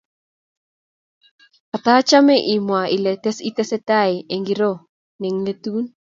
katachame i mwa ile itesetai eng' ngiro ne ngetun